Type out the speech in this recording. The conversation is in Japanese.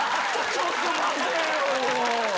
ちょっと待てよ。